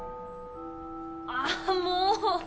ああもう！